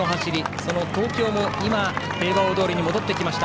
その東京も平和大通りに戻ってきました。